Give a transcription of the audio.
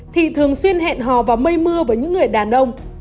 thì thường xuyên hẹn hò vào mây mưa với những người đàn ông